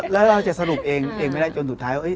แล้วเราจะสรุปเองไม่ได้จนสุดท้าย